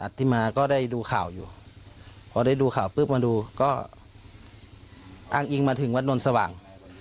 ที่มาก็ได้ดูข่าวอยู่พอได้ดูข่าวปุ๊บมาดูก็อ้างอิงมาถึงวัดนวลสว่าง